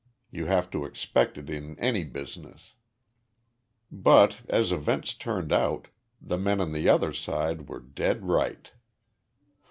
You have to expect it in any business. But, as events turned out, the men on the other side were dead right.